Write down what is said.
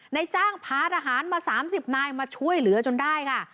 ในจ้างพาทหารมา๓๐นายมาช่วยเหลือจนได้ค่ะ